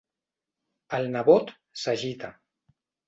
El nebot s'agita.